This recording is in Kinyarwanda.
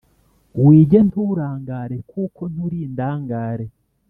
wige nturangare kuko nturi indangare,